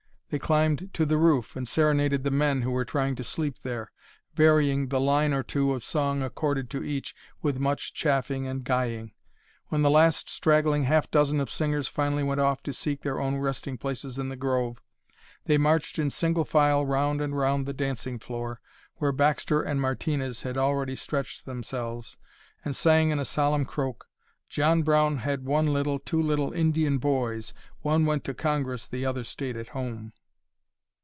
They climbed to the roof, and serenaded the men who were trying to sleep there, varying the line or two of song accorded to each with much chaffing and guying. When the last straggling half dozen of singers finally went off to seek their own resting places in the grove, they marched in single file round and round the dancing floor, where Baxter and Martinez had already stretched themselves, and sang in a solemn croak: "John Brown had one little, two little Indian boys; one went to Congress, the other stayed at home."